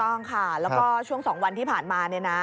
ต้องค่ะแล้วก็ช่วง๒วันที่ผ่านมาเนี่ยนะ